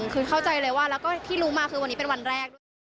คือเข้าใจเลยว่าแล้วก็ที่รู้มาคือวันนี้เป็นวันแรกด้วย